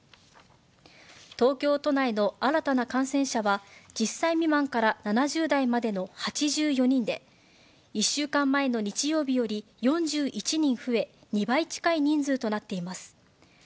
東京都内の新たな感染者は、１０歳未満から７０代までの８４人で、１週間前の日曜日より４１人増え、２倍近い人数となっています。